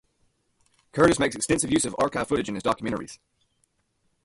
Curtis makes extensive use of archive footage in his documentaries.